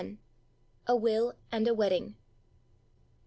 A WILL AND A WEDDING.